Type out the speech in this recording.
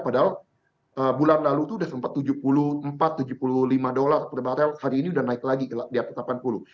padahal bulan lalu itu sudah sempat tujuh puluh empat tujuh puluh lima dolar per barrel hari ini sudah naik lagi di atas delapan puluh